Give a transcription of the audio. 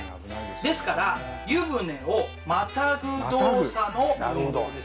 ですから湯船をまたぐ動作の運動ですよ。